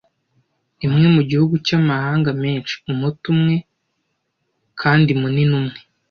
Imwe mu Gihugu cy’amahanga menshi, umuto umwe kandi munini umwe,